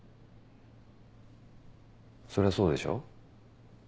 そりゃそうでしょ。